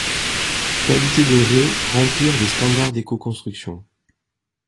Qualité de raient remplir les standards d'écoconstruction.